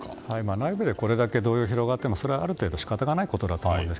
内部でこれだけ動揺が広がってもある程度仕方がないことだと思います。